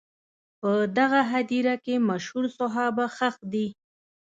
په دغه هدیره کې مشهور صحابه ښخ دي.